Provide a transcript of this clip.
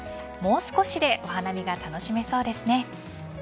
もう少しでお花見が楽しめそうですね。